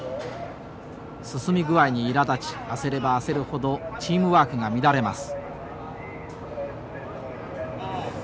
進み具合にいらだち焦れば焦るほどチームワークが乱れます。